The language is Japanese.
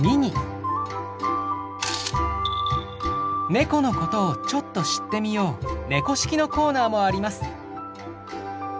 猫のことをちょっと知ってみよう「猫識」のコーナーもあります。